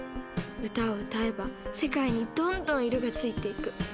歌を歌えば世界にどんどん色がついていく。